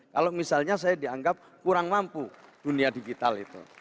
kalau misalnya saya dianggap kurang mampu dunia digital itu